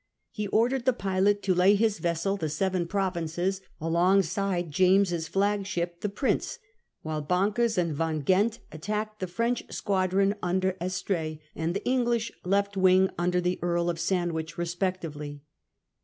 He ordered the pilot to lay his vessel, * The Seven Provinces/ along side James's flag ship, ' The Prince/ while Banclcers and Van Ghent attacked the French squadron under Es trees and the English left wing under the Earl of Sand wich respectively.